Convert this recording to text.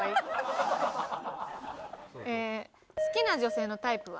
好きな女性のタイプは？